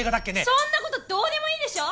そんなことどうでもいいでしょ！